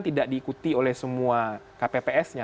tidak diikuti oleh semua kpps nya